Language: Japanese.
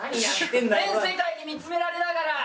全世界に見つめられながら。